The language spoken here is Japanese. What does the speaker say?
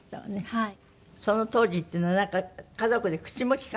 はい。